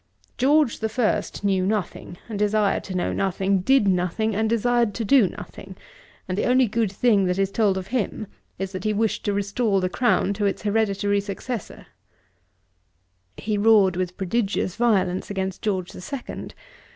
George the First knew nothing, and desired to know nothing; did nothing, and desired to do nothing: and the only good thing that is told of him is, that he wished to restore the crown to its hereditary successor.' He roared with prodigious violence against George the Second.